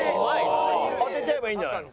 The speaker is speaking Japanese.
当てちゃえばいいんじゃないの？